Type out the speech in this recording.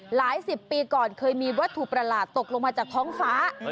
หลายสิบปีก่อนเคยมีวัตถุประหลาดตกลงมาจากท้องฟ้า